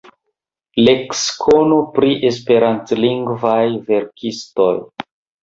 Leksikono pri Esperantlingvaj verkistoj.